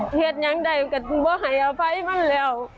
เหตุอย่างใดก็ไม่ไหวมาแล้ว